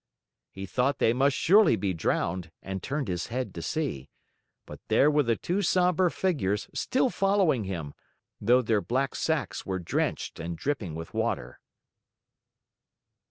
He thought they must surely be drowned and turned his head to see. But there were the two somber figures still following him, though their black sacks were drenched and dripping with water.